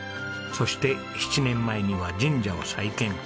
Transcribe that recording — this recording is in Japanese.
そして７年前には神社を再建。